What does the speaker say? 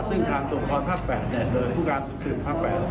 ซึ่งทางตรวจของภาพ๘โดยผู้การศึกษิษฐภาพ๘